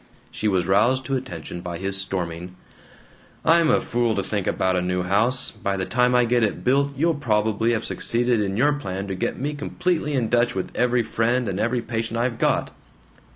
She was roused to attention by his storming: "I'm a fool to think about a new house. By the time I get it built you'll probably have succeeded in your plan to get me completely in Dutch with every friend and every patient I've got."